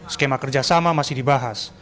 skema kerjasama masih dibahas